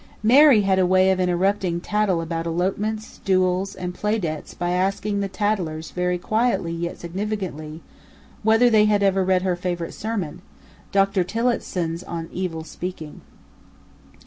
Mary had a way of interrupting tattle about elopements, duels, and playdebts by asking the tattlers, very quietly yet significantly, whether they had ever read her favourite sermon, Doctor Tillotson's on Evil Speaking.